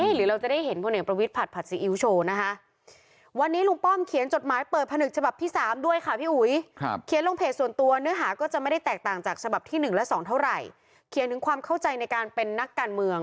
หรือเราจะได้เห็นผู้เนี่ยประวิทผัดผัดซีอิ๊วโชว์นะคะ